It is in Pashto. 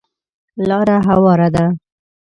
لاره هواره ده .